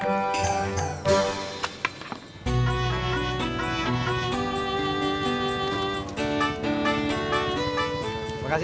enggak ada apa these